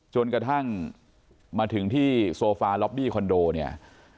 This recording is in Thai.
จนกระทั่งมาถึงที่โซฟาล็อบบี้คอนโดเนี่ย